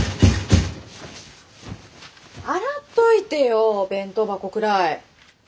洗っといてよお弁当箱くらい。